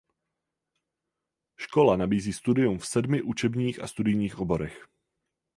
Škola nabízí studium v sedmi učebních a studijních oborech.